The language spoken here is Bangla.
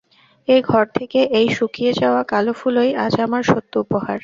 এ ঘর থেকে এই শুকিয়ে-যাওয়া কালো ফুলই আজ আমার সত্য উপহার।